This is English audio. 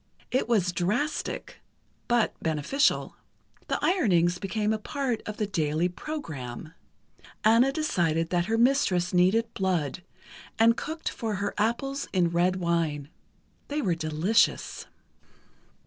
It was drastic, but beneficial. The ironings became a part of the daily program. Anna decided that her mistress needed blood, and cooked for her apples in red wine. They were delicious.